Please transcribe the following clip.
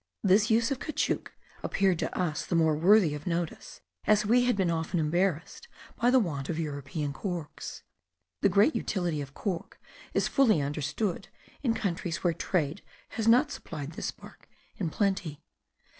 This use of caoutchouc appeared to us the more worthy notice, as we had been often embarrassed by the want of European corks. The great utility of cork is fully understood in countries where trade has not supplied this bark in plenty.